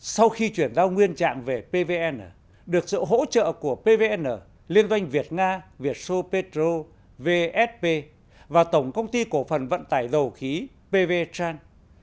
sau khi chuyển giao nguyên trạng về pvn được sự hỗ trợ của pvn liên doanh việt nga việt sô petro vsp và tổng công ty cổ phần vận tải dầu khí pv tran